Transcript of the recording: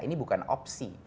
ini bukan opsi